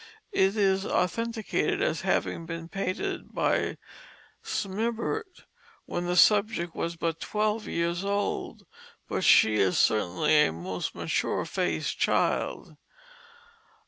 It is authenticated as having been painted by Smibert when the subject was but twelve years old, but she is certainly a most mature faced child.